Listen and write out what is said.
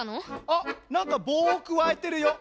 あっなんかぼうをくわえてるよ。